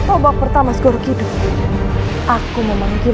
obat pertama skor gitu aku memanggil